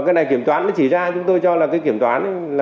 cái này kiểm toán nó chỉ ra chúng tôi cho là cái kiểm toán